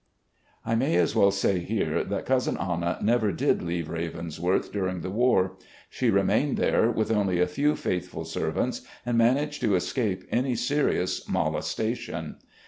I may as well say here, that " Cousin Anna" never did leave "Ravensworth" during the war. She remained there, •with only a few faithful servants, and managed to escape any serious molestation.